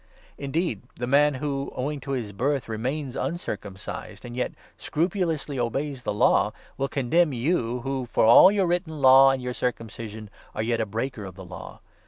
Indeed, 27 the man who, owing to his birth, remains uncircumcised, and yet scrupulously obeys the Law, will condemn you, who, for all your written Law and your circumcision, are yet a breaker of the Law.